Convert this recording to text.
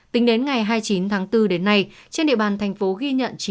tính đến ngày hai mươi chín tháng bốn đến nay trên địa bàn thành phố ghi nhận